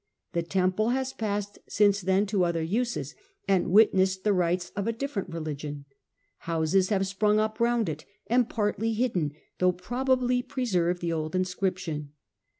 The temple has passed since then to other uses and witnessed the rites of a different religion ; houses have sprung up round it, and partly hidden, though pro bably preserved, the old inscription.